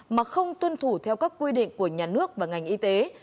mà không tuân thủ theo các quy định của nhà nước và ngành y tế